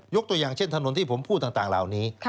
ตัวอย่างเช่นถนนที่ผมพูดต่างเหล่านี้